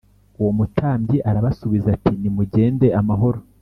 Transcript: Uwo mutambyi arabasubiza ati nimugende amahoro